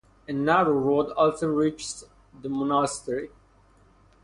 A narrow road also reaches the monastery.